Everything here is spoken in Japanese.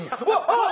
あっ！